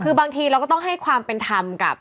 คือบางทีเราก็ต้องให้ความเป็นธรรมกับ